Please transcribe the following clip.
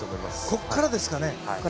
ここからですかね。